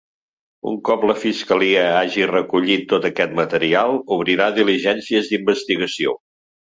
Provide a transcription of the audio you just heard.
Un cop la fiscalia hagi recollit tot aquest material, obrirà diligències d’investigació.